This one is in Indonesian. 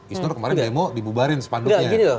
istor kemarin demo dibubarin sepanduknya